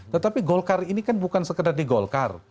tetapi golkar ini kan bukan sekedar di golkar